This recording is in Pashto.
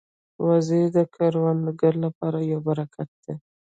وزې د کروندګرو لپاره یو برکت دي